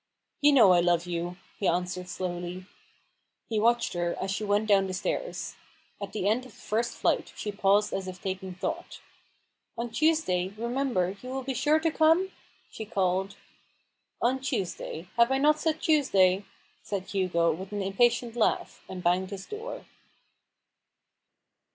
" You know I love you," he answered slowly. I56 A BOOK OF BARGAINS. He watched her as she went down the stairs. At the end of the first flight, she paused as if taking thought. " On Tuesday, remember, you will be sure to come ?" she called. " On Tuesday ; have I not said Tuesday ?" said Hugo, with an impatient laugh, and banged his door.